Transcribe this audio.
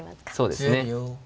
そうですね。